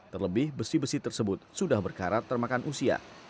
terlebih besi besi tersebut sudah berkarat termakan usia